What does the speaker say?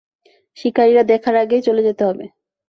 শিকারীরা দেখার আগেই চলে যেতে হবে।